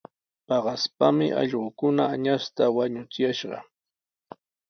Paqasmi allquukuna añasta wañuchuyashqa.